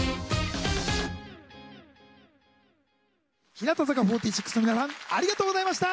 日向坂４６の皆さんありがとうございました。